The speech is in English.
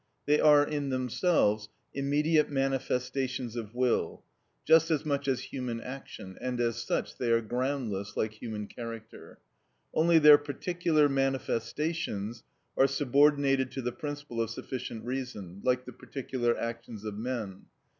They are in themselves immediate manifestations of will, just as much as human action; and as such they are groundless, like human character. Only their particular manifestations are subordinated to the principle of sufficient reason, like the particular actions of men.